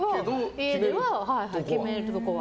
家では、決めるところは。